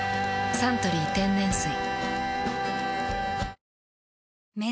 「サントリー天然水」